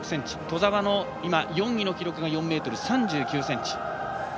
兎澤の４位の記録が４ｍ３９ｃｍ。